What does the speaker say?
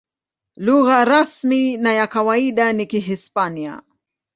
Lugha rasmi na ya kawaida ni Kihispania.